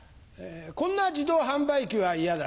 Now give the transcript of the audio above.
こんな自動販売機は嫌だ。